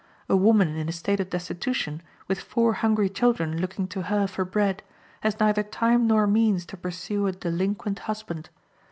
A woman in a state of destitution, with four hungry children looking to her for bread, has neither time nor means to pursue a delinquent husband.